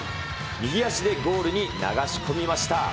右足でゴールに流し込みました。